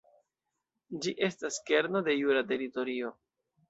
Ĝi estas kerno de jura teritorio.